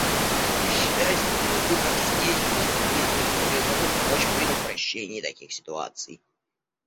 К счастью, у нас есть инструменты, которые могут помочь в предотвращении таких ситуаций.